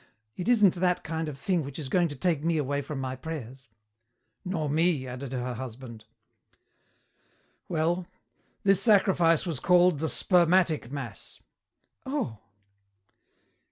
It isn't that kind of thing which is going to take me away from my prayers." "Nor me," added her husband. "Well, this sacrifice was called the Spermatic Mass." "Oh!"